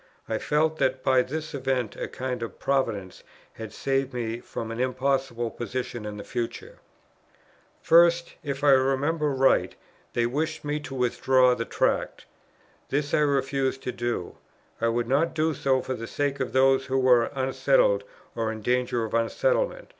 I felt that by this event a kind Providence had saved me from an impossible position in the future. First, if I remember right, they wished me to withdraw the Tract. This I refused to do: I would not do so for the sake of those who were unsettled or in danger of unsettlement.